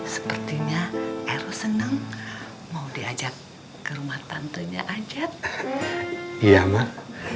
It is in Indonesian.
sepertinya eros seneng mau diajak ke rumah tantunya ajad iya mak